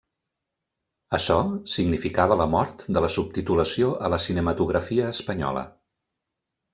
Açò significava la mort de la subtitulació a la cinematografia espanyola.